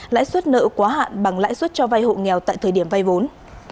lãi suất nợ quá hạn bằng lãi suất cho vay hộ nghèo tại thời điểm vay vốn